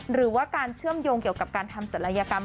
หรือว่าการเชื่อมโยงเกี่ยวกับการทำศัลยกรรม